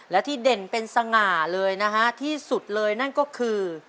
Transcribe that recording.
และที่เด่นเป็นสง่าเลยนะฮะที่สุดเลยนั่นก็คือ